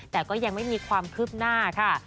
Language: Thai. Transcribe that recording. แต่ก็ยังไม่มีความคืบหน้าค่ะ